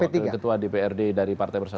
masih ketua dprd dari partai persatuan